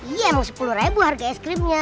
iya emang sepuluh ribu harga es krimnya